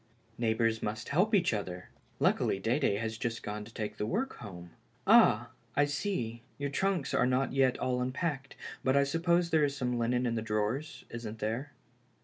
" Neighbors must help each other. Luckily Dede has just gone to take the work home. Ah, I see, your trunks are not yet all unpacked, but I suppose there is some linen in the drawers — isn't there